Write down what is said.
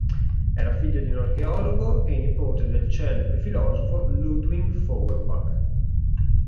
Era figlio di un archeologo e nipote del celebre filosofo Ludwig Feuerbach.